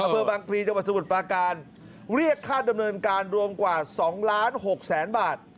อปปจปการเรียกค่าดำเนินการรวมกว่า๒๖๐๐๐๐๐บาท